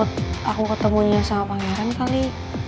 karena ibu takut aku ketemunya sama pangeran kali